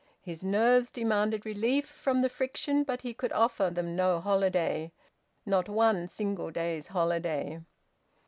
His nerves demanded relief from the friction, but he could offer them no holiday, not one single day's holiday.